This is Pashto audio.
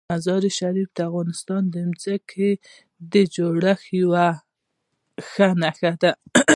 مزارشریف د افغانستان د ځمکې د جوړښت یوه ښه نښه ده.